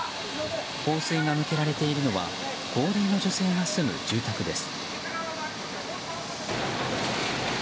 放水が向けられているのは高齢の女性が住む住宅です。